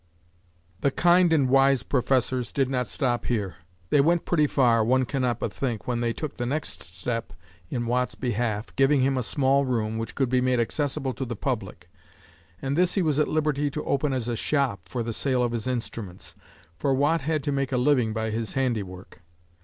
The kind and wise Professors did not stop here. They went pretty far, one cannot but think, when they took the next step in Watt's behalf, giving him a small room, which could be made accessible to the public, and this he was at liberty to open as a shop for the sale of his instruments, for Watt had to make a living by his handiwork.